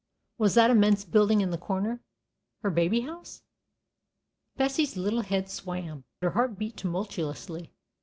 Was that immense building in the corner her baby house? Bessie's little head swam; her heart beat tumultuously.